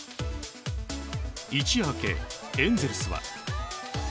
一夜明け、エンゼルスは。